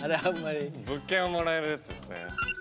物件をもらえるやつですよね。